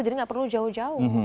jadi nggak perlu jauh jauh